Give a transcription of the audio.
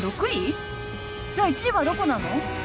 じゃあ１位はどこなの？